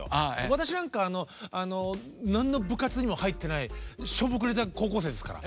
私なんか何の部活にも入ってないしょぼくれた高校生ですから。